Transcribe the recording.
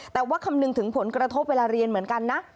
แต่ว่าคำนึงถึงผลกระทบเวลาเรียนเหมือนกันนะ